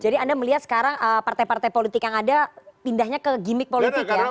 jadi anda melihat sekarang partai partai politik yang ada pindahnya ke gimmick politik ya